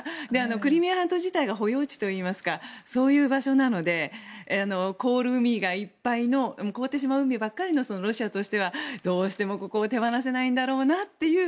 クリミア半島自体が保養地というかそういう場所なので凍る海がいっぱいの凍ってしまう海ばかりのロシアとしては手放せないところなんだろうと。